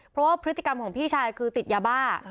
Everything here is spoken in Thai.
เพราะว่าพฤติกรรมของพี่ชายคือติดยาบ้า